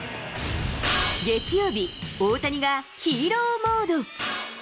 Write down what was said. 月曜日、大谷がヒーローモード。